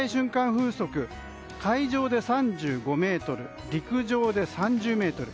風速海上で３５メートル陸上で３０メートル。